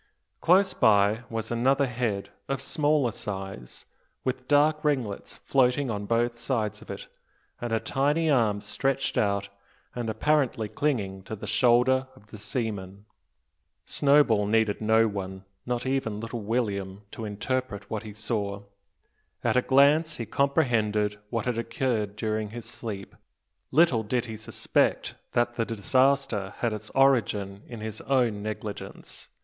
Close by was another head, of smaller size, with dark ringlets floating on both sides of it, and a tiny arm stretched out and apparently clinging to the shoulder of the seaman. Snowball needed no one not even little William to interpret what he saw. At a glance he comprehended what had occurred during his sleep, all except the cause. Little did he suspect that the disaster had its origin in his own negligence.